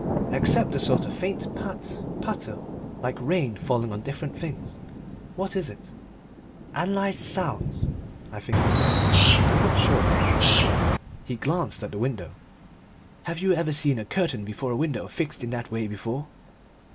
Except the sort of faint pat, patter, like rain falling on different things. What is it?" "Analysed sounds," I think he said, but I am not sure. He glanced at the window. "Have you ever seen a curtain before a window fixed in that way before?"